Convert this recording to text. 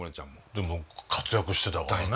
でも活躍してたからね。